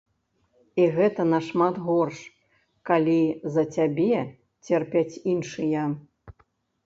І гэта нашмат горш, калі за цябе церпяць іншыя.